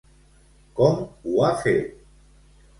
Com ho ha fet?